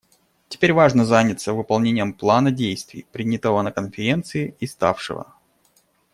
Теперь важно заняться выполнением плана действий, принятого на Конференции и ставшего.